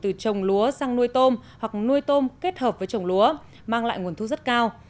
từ trồng lúa sang nuôi tôm hoặc nuôi tôm kết hợp với trồng lúa mang lại nguồn thu rất cao